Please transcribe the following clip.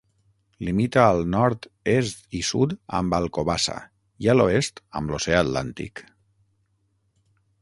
Limita al nord, est i sud amb Alcobaça i a l'oest amb l'Oceà Atlàntic.